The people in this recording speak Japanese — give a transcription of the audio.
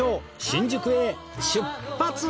新宿へ出発です！